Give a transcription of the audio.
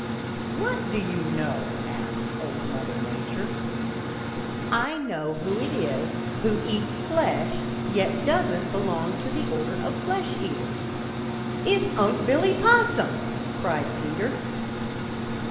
"What do you know?" asked Old Mother Nature. "I know who it is who eats flesh, yet doesn't belong to the order of flesh eaters. It's Unc' Billy Possum!" cried Peter.